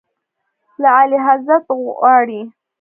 له اعلیحضرت غواړي.